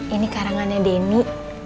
ini karangannya denny